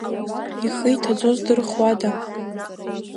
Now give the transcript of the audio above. Ихы иҭаӡо здырхуада.